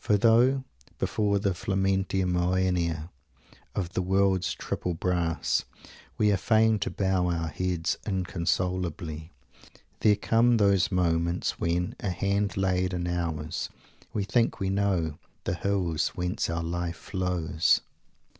For though, before the "Flamantia Moenia" of the world's triple brass, we are fain to bow our heads inconsolably, there come those moments when, a hand laid in ours, we think we know "the hills whence our life flows"!